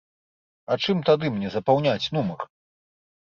А чым тады мне запаўняць нумар?